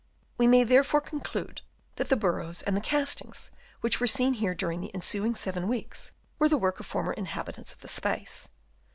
We may therefore conclude that the burrows and the castings which were seen here during the ensuing seven weeks were the work of the former inhabitants of the space.